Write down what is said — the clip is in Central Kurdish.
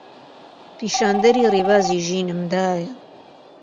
پیشاندەری ڕێبازی ژینم دایە